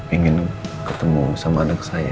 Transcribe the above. ingin ketemu sama anak saya